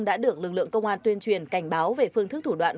đã được lực lượng công an tuyên truyền cảnh báo về phương thức thủ đoạn